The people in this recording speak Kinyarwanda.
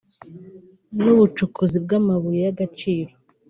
n’ubucukuzi bw’amabuye y’agaciro